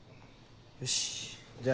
よしじゃあ